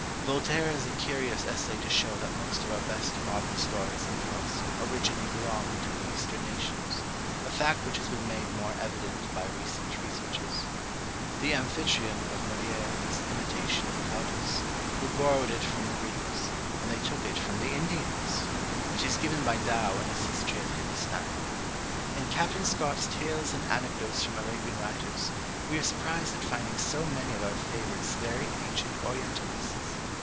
Voltaire has a curious essay to show that most of our best modern stories and plots originally belonged to the eastern nations, a fact which has been made more evident by recent researches. The Amphitryon of Molière was an imitation of Plautus, who borrowed it from the Greeks, and they took it from the Indians! It is given by Dow in his History of Hindostan. In Captain Scott's Tales and Anecdotes from Arabian writers, we are surprised at finding so many of our favourites very ancient orientalists.